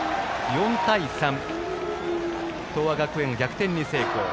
４対３、東亜学園が逆転に成功。